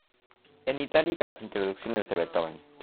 En itálica las introducciones de Beethoven.